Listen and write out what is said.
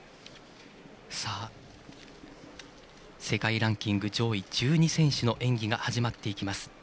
世界ランキング上位１２選手の演技が始まっていきます。